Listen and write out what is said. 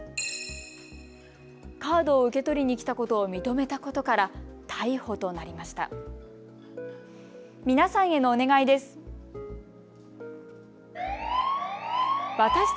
カードを受け取りに来たことを認めたことから逮捕となりました。